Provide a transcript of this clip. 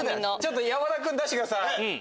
山田君出してください！